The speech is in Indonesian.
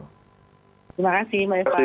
terima kasih maafkan